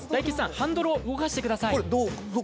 ハンドルを動かしてください。